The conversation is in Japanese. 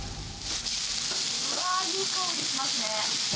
うわー、いい香りしますね。